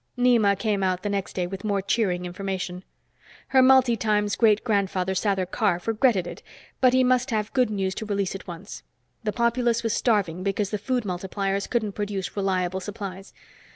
Nema came out the next day with more cheering information. Her multi times great grandfather, Sather Karf, regretted it, but he must have good news to release at once; the populace was starving because the food multipliers couldn't produce reliable supplies.